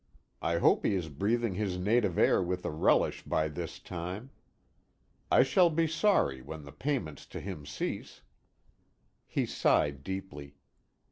I hope he is breathing his native air with a relish by this time. I shall be sorry when the payments to him cease." He sighed deeply.